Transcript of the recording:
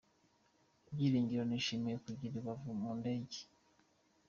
Byiringiro yishimiye kujya i Rubavu mu ndege.